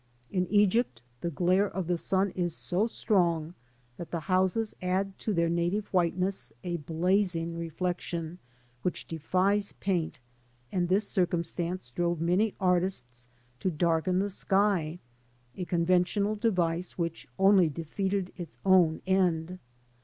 In Egypt, the glare of the sun is so strong that the houses add to their native whiteness a blazing reflection which defies paint, and this circumstance drove many artists to darken the sky — a conventional device which only defeated its own end.